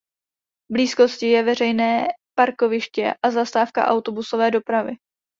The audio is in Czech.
V blízkosti je veřejné parkoviště a zastávka autobusové dopravy.